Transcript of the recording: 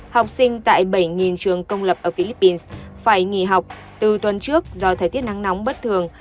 học sinh tại bảy trường công lập ở philippines phải nghỉ học từ tuần trước do thời tiết nắng nóng bất thường